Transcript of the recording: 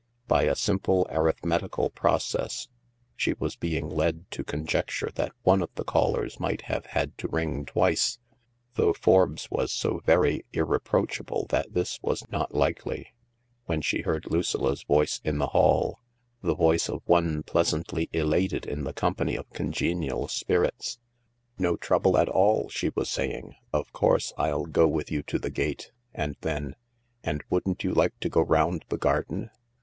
By a simple arithmetical process she was being led to conjecture that one of the callers might have had to ring twice — though Forbes was so very irreproachable that this was not likely— when she heard Lucilla 's voice in the hall, the voice of one pleasantly elated in the company of congenial spirits. "No trouble at all/' she was saying; "of course I'll go with you to the gate." And then, " And wouldn't you like to go round the garden